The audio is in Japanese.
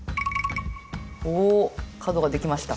おおっ角ができました。